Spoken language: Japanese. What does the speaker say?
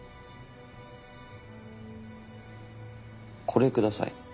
これください。